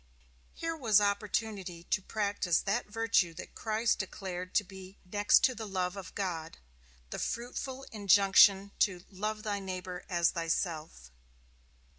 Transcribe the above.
Here was opportunity to practise that virtue that Christ declared to be next to the love of God the fruitful injunction to "love thy neighbor as thyself."